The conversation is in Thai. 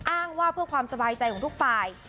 อ้างว่าเพื่อความสบายใจของทุกฝ่าย